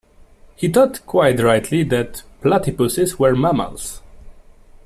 He thought, quite rightly, that platypuses were mammals.